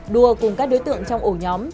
đua cùng các đối tượng trong ổ nhóm